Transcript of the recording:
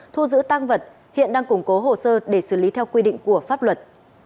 thu giữ tăng vật